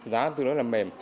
giá tương đối là mềm